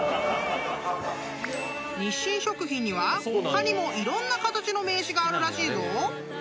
［日清食品には他にもいろんな形の名刺があるらしいぞ］